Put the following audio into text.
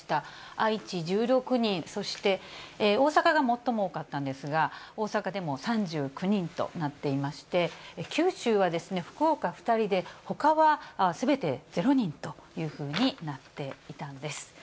愛知１６人、そして大阪が最も多かったんですが、大阪でも３９人となっていまして、九州は、福岡２人で、ほかはすべて０人というふうになっていたんです。